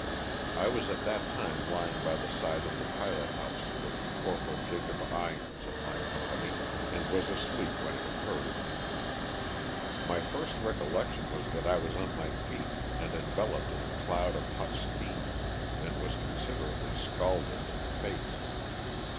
I was at that time lying by the side of the pilot house with Corporal Jacob Irons of my company, and was asleep when it occurred. My first recollection was that I was on my feet and enveloped in a cloud of hot steam, and was considerably scalded in the face.